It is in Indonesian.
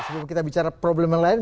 sebelum kita bicara problem yang lain